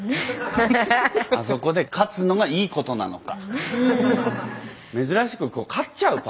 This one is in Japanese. あそこで勝つのがいいことなのか。